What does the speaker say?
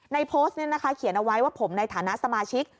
ในโพสต์นี้นะคะเขียนเอาไว้ว่าผมในฐานะสมาชิก